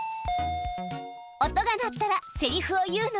音がなったらセリフを言うの。